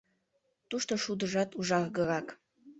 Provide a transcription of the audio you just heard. Тушто шудыжат ужаргырак